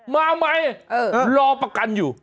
มาไหมรอประกันอยู่